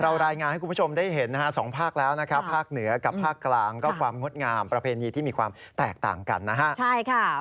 รายงานให้คุณผู้ชมได้เห็นนะฮะสองภาคแล้วนะครับภาคเหนือกับภาคกลางก็ความงดงามประเพณีที่มีความแตกต่างกันนะฮะใช่ค่ะ